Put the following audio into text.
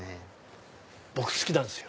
僕好きなんですよ。